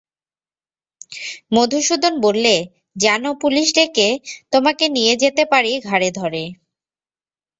মধুসূদন বললে, জান পুলিস ডেকে তোমাকে নিয়ে যেতে পারি ঘাড়ে ধরে?